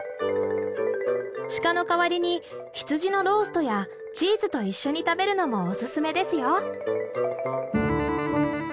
シカのかわりに羊のローストやチーズと一緒に食べるのもおすすめですよ。